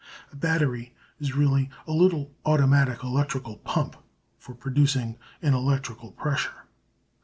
A battery is really a little automatic electrical pump for producing an electrical pressure.